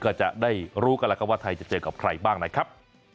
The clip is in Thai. ก็จะได้รู้กันแล้วครับว่าไทยจะเจอกับใครบ้างนะครับ